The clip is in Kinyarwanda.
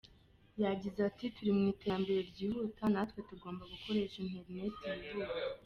Yagize ati “Turi mu iterambere ry’ihuta natwe tugomba gukoresha interineti yihuta.